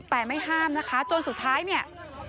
แต่ไม่ห้ามนะคะจนสุดท้ายเนี่ย